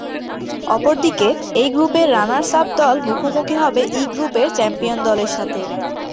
অপরদিকে এই গ্রুপের রানার্স-আপ দল মুখোমুখি হবে ই গ্রুপের চ্যাম্পিয়ন দলের সাথে।